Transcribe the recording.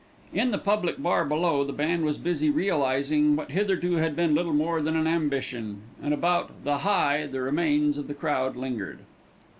In the public bar below the band was busy realising what hitherto had been little more than an ambition, and about "the High" the remains of the crowd lingered.